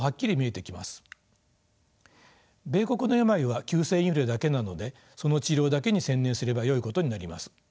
米国の病は急性インフレだけなのでその治療だけに専念すればよいことになります。